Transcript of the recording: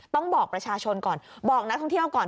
ต้องบอกประชาชนก่อนบอกนักท่องเที่ยวก่อน